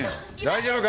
大丈夫？